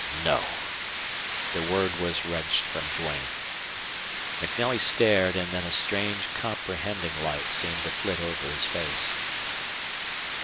"No!" The word was wrenched from Duane. MacNelly stared, and then a strange, comprehending light seemed to flit over his face.